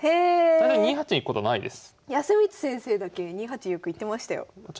大体２八に行くことないです。